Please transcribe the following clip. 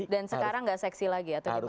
dan sekarang gak seksi lagi atau gimana